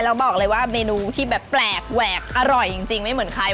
แล้วบอกเลยว่าเมนูที่แบบแปลกแหวกอร่อยจริงไม่เหมือนใคร